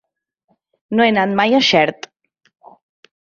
No he anat mai a Xert.